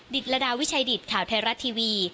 ตรดาวิชัยดิตข่าวไทยรัฐทีวี